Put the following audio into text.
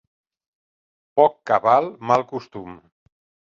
Poc cabal, mal costum.